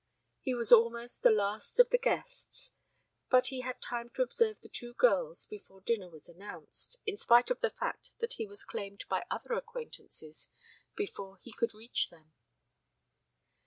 He was almost the last of the guests, but he had time to observe the two girls before dinner was announced, in spite of the fact that he was claimed by other acquaintances before he could reach them.